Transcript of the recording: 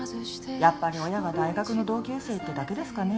やっぱり親が大学の同級生ってだけですかね